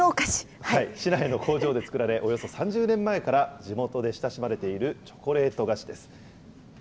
市内の工場で作られ、およそ３０年前から地元で親しまれているチョコレート菓子です。